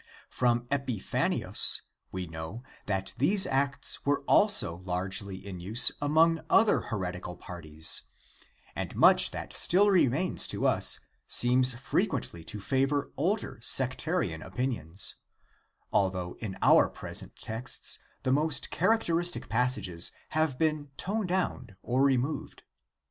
From Epiphanius we know that these Acts were also largely in use among other heretical parties, and much that still remains to us seems frequently to favor older sectarian opinions, although in our present texts the most characteristic passages have been toned down or removed.